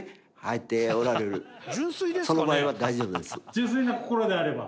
純粋な心であれば？